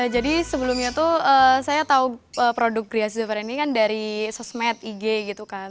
jadi sebelumnya tuh saya tahu produk griasio sofren ini kan dari sosmed ig gitu kan